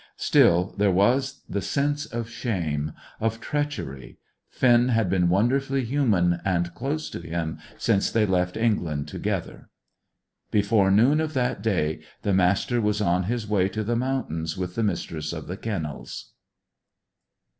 Still, there was the sense of shame, of treachery. Finn had been wonderfully human and close to him since they left England together. Before noon of that day the Master was on his way to the mountains with the Mistress of the Kennels.